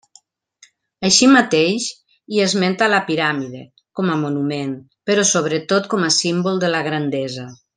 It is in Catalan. Així mateix, hi esmenta la piràmide, com a monument, però sobretot com a símbol de la grandesa.